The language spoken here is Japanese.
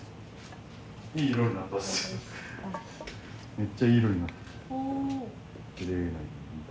めっちゃいい色になった。